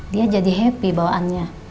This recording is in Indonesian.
dia jadi happy bawaannya